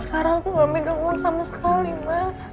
sekarang aku gak mau dengan sama sekali ma